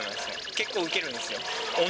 結構ウケるんですよ。